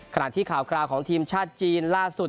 ขณะที่ข่าวคราวของทีมชาติจีนล่าสุด